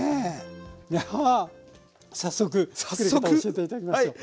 いや早速作り方を教えて頂きましょう。